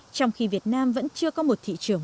trong khi việt nam vẫn chưa có một thị trường